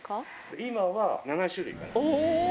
今は７種類かな。